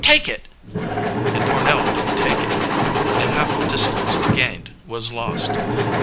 Take it!" And Pornell did take it, and half the distance gained was lost.